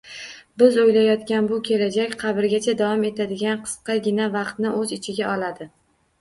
Biz o‘ylayotgan bu kelajak qabrgacha davom etadigan qisqagina vaqtni o‘z ichiga oladi.